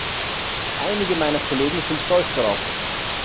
Einige meiner Kollegen sind stolz darauf.